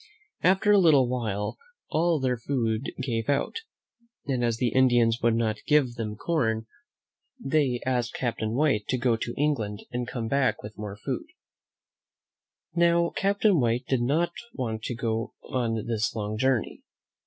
After a little while all their food gave out, and as the Indians would not give them corn, they (C^ ll THE hm "^ jb. MEN WHO FOUND AMERICA asked Captain White to go to England and come back with more food. Now, Captain White did not want to go on this long journey.